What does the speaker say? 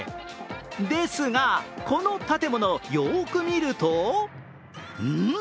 ですが、この建物、よーく見ると、ん？